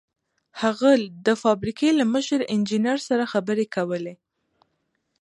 هغه د فابريکې له مشر انجنير سره خبرې کولې.